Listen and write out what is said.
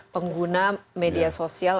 pengguna media sosial